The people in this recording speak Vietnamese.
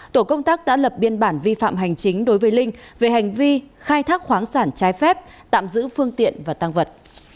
tổ công tác đã lập biên bản vi phạm hành chính đối với linh về hành vi khai thác khoáng sản trái phép tạm giữ phương tiện và tăng vật